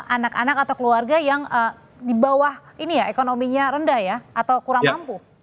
anak anak atau keluarga yang di bawah ini ya ekonominya rendah ya atau kurang mampu